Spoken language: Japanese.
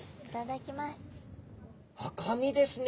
赤身ですね。